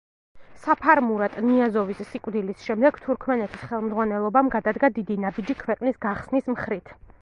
საფარმურატ ნიაზოვის სიკვდილის შემდეგ, თურქმენეთის ხელმძღვანელობამ გადადგა დიდი ნაბიჯი ქვეყნის გახსნის მხრით.